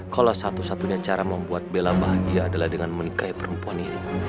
kalau satu satunya cara membuat bela bahagia adalah dengan menikahi perempuan ini